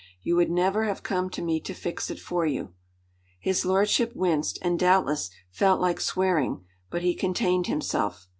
You would never have come to me to fix it for you." His lordship winced, and, doubtless, felt like swearing, but he contained himself.